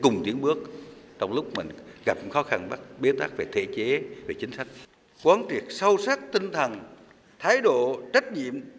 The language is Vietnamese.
nhiệm vụ trong năm hai nghìn hai mươi